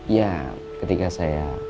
ya ketika saya